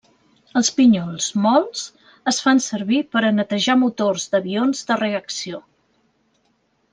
Els pinyols mòlts es fan servir per a netejar motors d'avions de reacció.